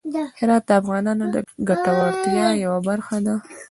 هرات د افغانانو د ګټورتیا یوه برخه ده.